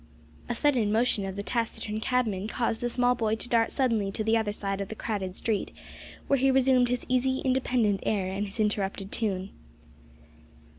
A sudden motion of the taciturn cabman caused the small boy to dart suddenly to the other side of the crowded street, where he resumed his easy independent air, and his interrupted tune.